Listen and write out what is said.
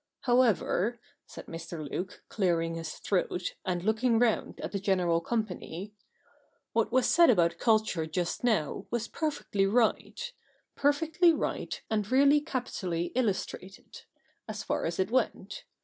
However,' said Mr. Luke, clearing his throat, and looking round at the general company, ' what was said about culture just now was perfectly right — perfectly right, and really capitally illustrated — as far as it went.